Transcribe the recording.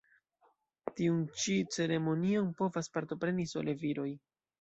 Tiun ĉi ceremonion povas partopreni sole viroj.